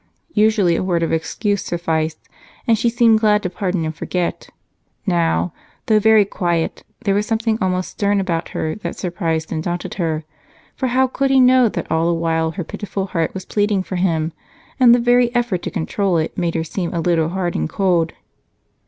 Usually a word of excuse sufficed, and she seemed glad to pardon and forget; now, though very quiet, there was something almost stern about her that surprised and daunted him, for how could he know that all the while her pitiful heart was pleading for him and the very effort to control it made her a little hard and cold?